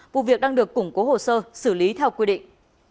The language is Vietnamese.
vụ việc đang được củng cố hồ sơ xử lý theo quy định